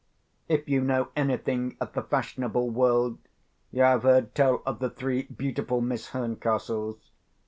If you know anything of the fashionable world, you have heard tell of the three beautiful Miss Herncastles.